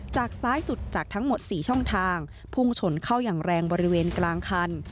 ซ้ายสุดจากทั้งหมด๔ช่องทางพุ่งชนเข้าอย่างแรงบริเวณกลางคัน